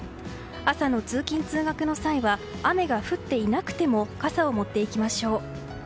朝の通勤・通学の際は雨が降っていなくても傘を持っていきましょう。